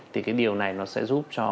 thì cái điều này nó sẽ giúp cho